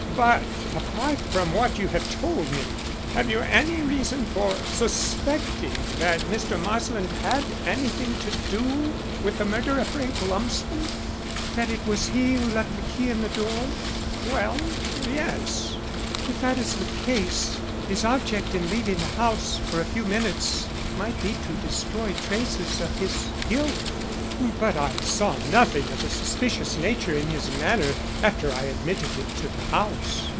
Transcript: "But, apart from what you have told me, have you any reason for suspecting that Mr. Marsland had anything to do with the murder of Frank Lumsden?" "That it was he who left the key in the door?" "Well yes." "If that is the case, his object in leaving the house for a few minutes might be to destroy traces of his guilt. But I saw nothing of a suspicious nature in his manner after I admitted him to the house."